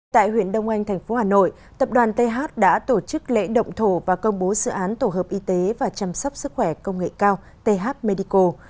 tại huyện đông anh thành phố hà nội tập đoàn th đã tổ chức lễ động thổ và công bố dự án tổ hợp y tế và chăm sóc sức khỏe công nghệ cao th medical